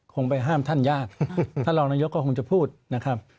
ไปห้ามท่านยากท่านรองนายกก็คงจะพูดนะครับ